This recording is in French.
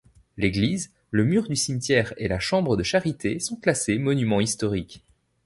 L'église, le mur du cimetière et la chambre de charité sont classés Monument Historique.